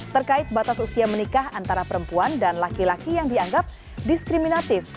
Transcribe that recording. terkait batas usia menikah antara perempuan dan laki laki yang dianggap diskriminatif